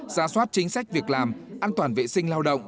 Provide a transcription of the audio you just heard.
ra soát chính sách việc làm an toàn vệ sinh lao động